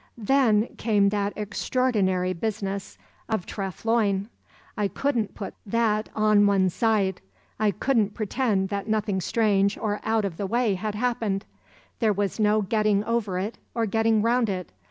"Then came that extraordinary business of Treff Loyne. I couldn't put that on one side. I couldn't pretend that nothing strange or out of the way had happened. There was no getting over it or getting round it.